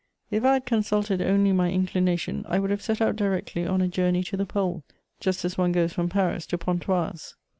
If I had consulted only my inclination, I would have set out directly on a journey to the Pole, just as one goes from Paris to Pontoise.